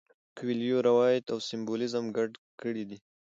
کویلیو روایت او سمبولیزم ګډ کړي دي.